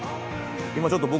今ちょっと僕。